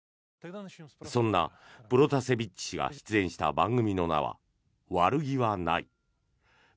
そんな、プロタセビッチ氏が出演した番組の名は「悪気はない」。